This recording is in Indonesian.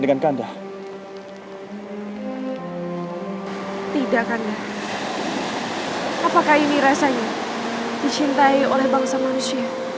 kita akan berjumpa di pukul satu recording dua puluh delapan pre cf tiga puluh